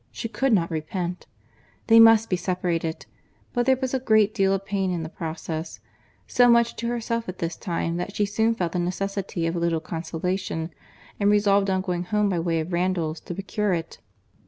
—She could not repent. They must be separated; but there was a great deal of pain in the process—so much to herself at this time, that she soon felt the necessity of a little consolation, and resolved on going home by way of Randalls to procure it.